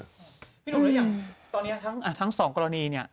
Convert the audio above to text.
พี่หนุ่มอะไรอย่างตอนเนี้ยทั้ง๒กรณีเนี้ย